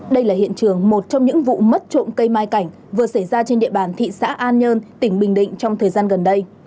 đây là hiện trường một trong những vụ mất trộm cây mai cảnh vừa xảy ra trên địa bàn thị xã an nhơn tỉnh bình định trong thời gian gần đây